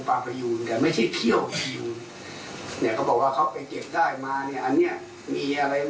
แต่ไม่ใช่เคี่ยวพยูน